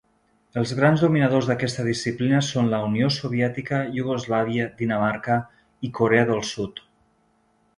Els grans dominadors d'aquesta disciplina són la Unió Soviètica, Iugoslàvia, Dinamarca i Corea del Sud.